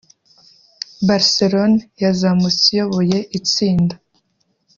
Barcelone yazamutse iyoboye itsinda